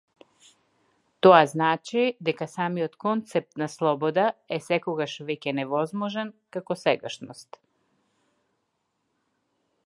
Тоа значи дека самиот концепт на слобода е секогаш веќе невозможен како сегашност.